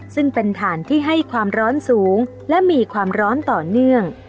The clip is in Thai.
ซึ่งเป็นฐานที่ให้ความร้อนสูงและมีความร้อนต่อเนื่อง